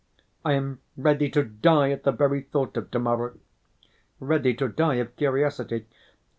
I am ready to die at the very thought of to‐morrow. Ready to die of curiosity....